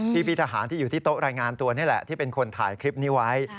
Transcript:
พี่ทหารที่อยู่ที่โต๊ะรายงานตัวนี่แหละที่เป็นคนถ่ายคลิปนี้ไว้